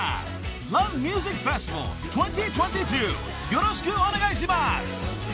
よろしくお願いします］